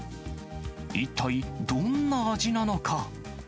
一体どんな味なのか。